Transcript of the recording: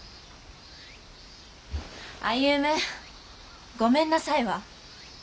歩ごめんなさいは？